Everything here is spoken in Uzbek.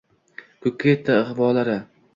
Koʼkka yetdi ivgʼolari